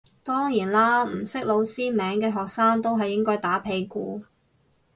當然啦唔識老師名嘅學生都係應該打屁股